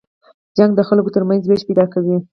جګړه د خلکو تر منځ وېش پیدا کوي